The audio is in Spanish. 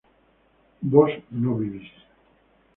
vos no vivís